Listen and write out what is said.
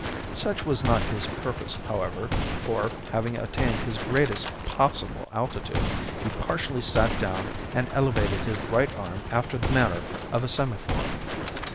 Such was not his purpose, however, for, having attained his greatest possible altitude, he partially sat down and elevated his right arm after the manner of a semaphore.